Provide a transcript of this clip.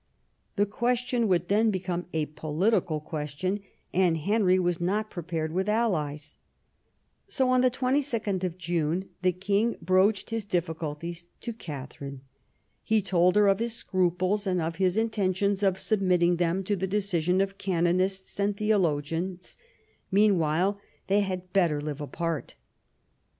The question would then become a political question, and Henry was not prepared with allies. So on 22d June the king broached his difficulties to Katharine. He told her of his scruples, and of his intentions of submitting them to the deci sion of canonists and theologians ; meanwhile they had better live apart.